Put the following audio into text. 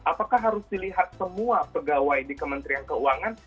apakah harus dilihat semua pegawai di kementerian keuangan